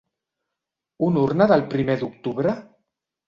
Una urna del primer d'octubre?